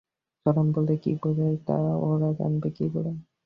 চরণ বলতে কী বোঝায় তা ওরা জানবে কী করে?